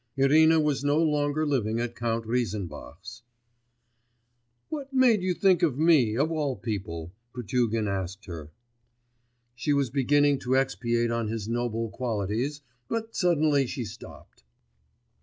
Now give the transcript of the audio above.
Irina was no longer living at Count Reisenbach's. 'What made you think of me, of all people?' Potugin asked her. She was beginning to expatiate on his noble qualities, but suddenly she stopped....